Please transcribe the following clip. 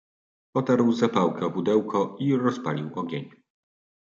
"Potarł zapałkę o pudełko i rozpalił ogień."